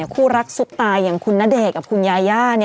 คู่รักสุขตายอย่างคุณณเดกกับคุณยายา